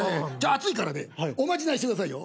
熱いからねおまじないしてくださいよ。